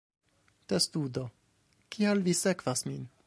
Testudo: "Kial vi sekvas min?"